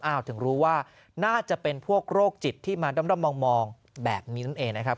ถึงรู้ว่าน่าจะเป็นพวกโรคจิตที่มาด้อมมองแบบนี้นั่นเองนะครับ